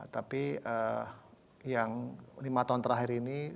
tapi yang lima tahun terakhir ini